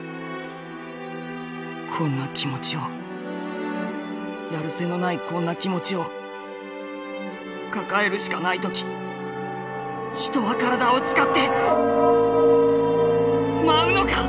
「こんな気持ちをやる瀬のないこんな気持ちを抱えるしかない時人は身体を使って舞うのか」。